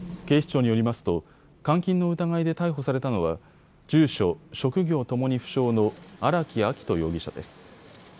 警視庁によりますと監禁の疑いで逮捕されたのは住所、職業ともに不詳の荒木秋冬容疑者です。